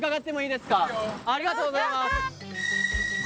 ありがとうございます！